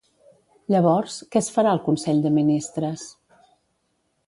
Llavors, què es farà al Consell de Ministres?